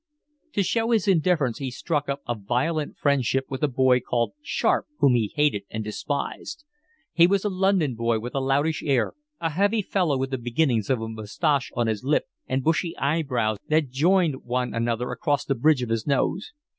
To show his indifference he struck up a violent friendship with a boy called Sharp whom he hated and despised. He was a London boy, with a loutish air, a heavy fellow with the beginnings of a moustache on his lip and bushy eyebrows that joined one another across the bridge of his nose.